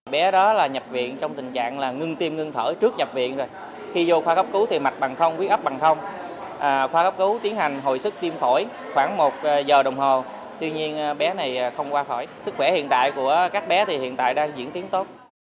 bé đó là nhập viện trong tình trạng là ngưng tim ngưng thở trước nhập viện rồi khi vô khoa cấp cứu thì mạch bằng không quyết ấp bằng khoa cấp cứu tiến hành hồi sức tim khỏi khoảng một giờ đồng hồ tuy nhiên bé này không qua khỏi sức khỏe hiện tại của các bé thì hiện tại đang diễn tiến tốt